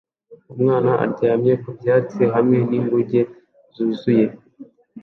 Umwana aryamye ku byatsi hamwe n’inguge yuzuye